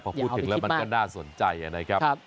พอพูดถึงแล้วมันก็น่าสนใจนะครับ